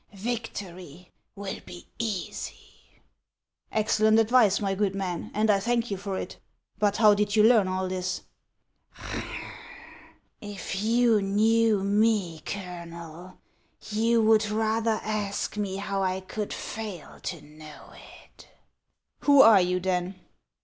Victory will be easy." " Excellent advice, my good man, and I thank you for it ; but how did you learn all this ?"" If you knew me, Colonel, you would rather ask me how I could fail to know it." HANS OF ICELAND. 1391 " Who are you, then